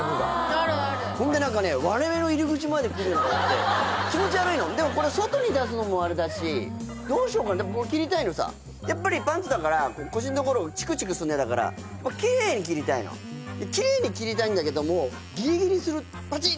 あるあるほんで何かねのがあって気持ち悪いのでもこれ外に出すのもあれだしどうしようかやっぱりパンツだから腰のところチクチクすんの嫌だからキレイに切りたいのキレイに切りたいんだけどもギリギリするパチン！